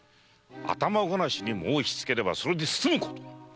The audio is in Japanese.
頭ごなしに申しつければそれで済むこと！